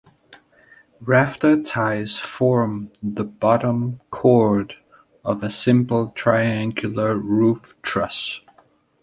Rafter ties form the bottom chord of a simple triangular roof truss.